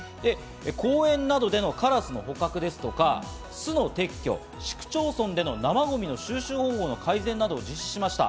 公園などでのカラスの捕獲ですとか巣の撤去、市区町村での生ゴミの収集方法の改善などを実施しました。